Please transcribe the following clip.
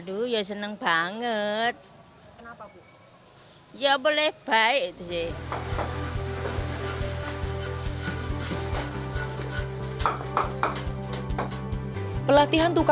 dia sangat senang kok keicu keicu keusahanya mala